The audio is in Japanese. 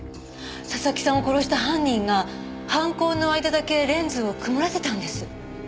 佐々木さんを殺した犯人が犯行の間だけレンズを曇らせたんです！